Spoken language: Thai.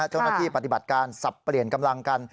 เจ้าหน้าที่ปฏิบัติการสับเปลี่ยนกำลังกัน